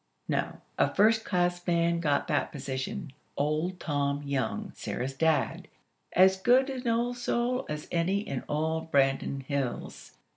No. A first class man got that position; old Tom Young, Sarah's Dad, as good an old soul as any in all Branton Hills.